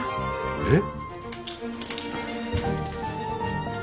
えっ！？